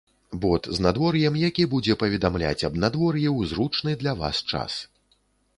Бот з надвор'ем які будзе паведамляць аб надвор'і ў зручны для вас час.